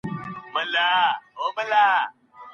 د کار قوه باید له کیفي پلوه پیاوړې وي.